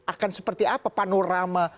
akan seperti apa panorama